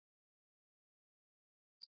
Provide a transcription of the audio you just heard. بيا ما خبر کړه چې چرته تلل دي